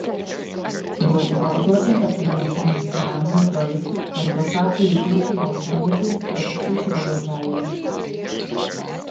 "Lūdzu, balsosim par pirmo Saeimas lēmuma projektu "Par dotāciju izmaksu lauksaimniecības produkcijas ražotājiem"."